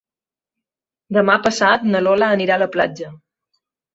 Demà passat na Lola anirà a la platja.